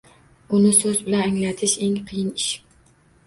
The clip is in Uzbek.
Uni so’z bilan anglatish — eng qiyin ish